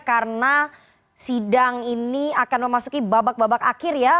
karena sidang ini akan memasuki babak babak akhir ya